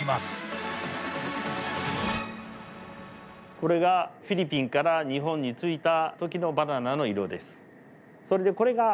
これがフィリピンから日本に着いた時のバナナの色です。